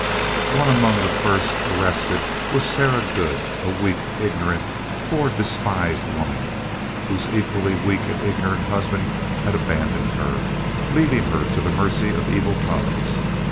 One among the first arrested was Sarah Good, a weak, ignorant, poor, despised woman, whose equally weak and ignorant husband had abandoned her, leaving her to the mercy of evil tongues.